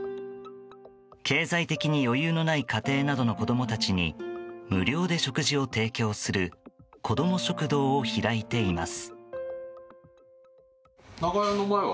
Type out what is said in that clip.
経済的に余裕のない家庭などの子供たちに無料で食事を提供する子ども食堂を開いています。